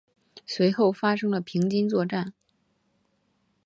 随后发生了平津作战。